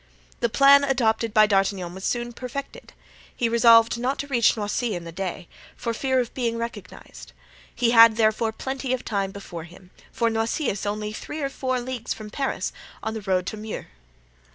The plan adopted by D'Artagnan was soon perfected. He resolved not to reach Noisy in the day, for fear of being recognized; he had therefore plenty of time before him, for Noisy is only three or four leagues from Paris, on the road to Meaux.